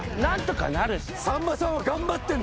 さんまさんは頑張ってんだよ。